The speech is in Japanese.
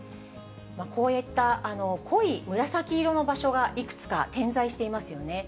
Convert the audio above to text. こういった濃い紫色の場所がいくつか点在していますよね。